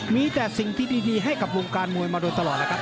มีแต่สิ่งที่ดีให้กับวงการมวยมาโดยตลอดแล้วครับ